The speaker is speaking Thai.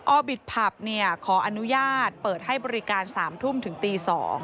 อบิตผับขออนุญาตเปิดให้บริการ๓ทุ่มถึงตี๒